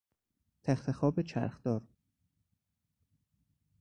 تختخواب چرخدار